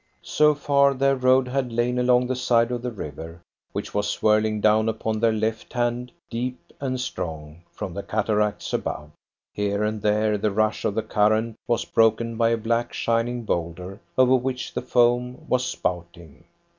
So far their road had lain along the side of the river, which was swirling down upon their left hand deep and strong from the cataracts above. Here and there the rush of the current was broken by a black shining boulder over which the foam was spouting.